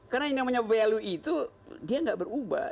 karena yang namanya value itu dia nggak berubah